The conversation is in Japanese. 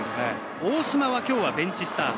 大島はベンチスタート。